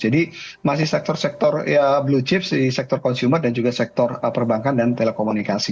jadi masih sektor sektor blue chip di sektor consumer dan juga sektor perbankan dan telekomunikasi